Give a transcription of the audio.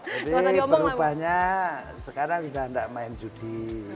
jadi perubahnya sekarang udah gak main judi